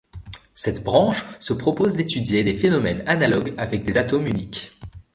Cette branche se propose d'étudier des phénomènes analogues avec des atomes uniques.